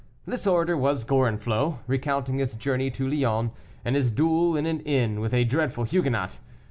This orator was Gorenflot, recounting his journey to Lyons, and his duel in an inn with a dreadful Huguenot.